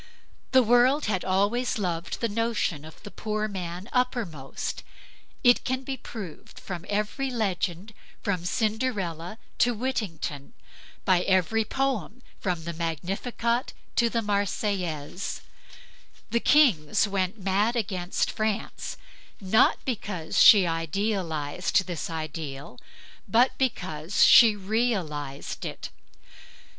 The world had always loved the notion of the poor man uppermost; it can be proved by every legend from Cinderella to Whittington, by every poem from the Magnificat to the Marseillaise. The kings went mad against France not because she idealized this ideal, but because she realized it.